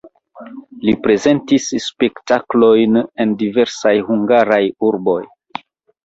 Li prezentis spektaklojn en diversaj hungaraj urboj.